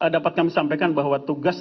dapat kami sampaikan bahwa tugas